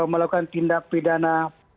melakukan tindak pidana